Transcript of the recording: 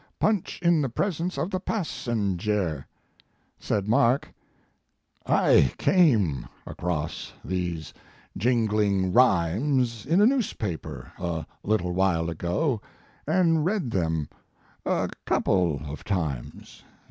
Punch in the presence of the passenjare ! Said Mark: "I came across these jing ling rhymes in a newspaper, a little while ago, and read them a couple of times.